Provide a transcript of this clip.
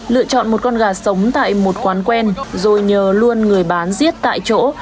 lựa chọn một con gà sống tại một quán quen rồi nhờ luôn người bán giết tại chỗ